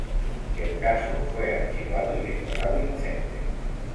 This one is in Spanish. El caso fue archivado y declarado inocente.